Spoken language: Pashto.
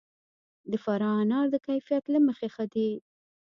د فراه انار د کیفیت له مخې ښه دي.